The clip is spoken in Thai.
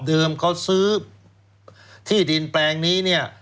เดิมเขาซื้อที่ดินแปลงนี้